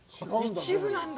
一部なんだ。